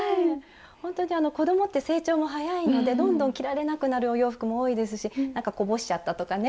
ほんとに子どもって成長が早いのでどんどん着られなくなるお洋服も多いですしなんかこぼしちゃったとかね